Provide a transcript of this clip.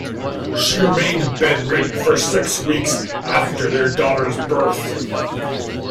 She remained bedridden for six weeks after their daughter's birth.